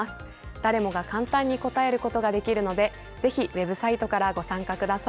誰もが簡単に答えることができるので、ぜひウェブサイトからご参加ください。